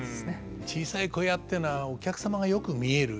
小さい小屋っていうのはお客様がよく見える。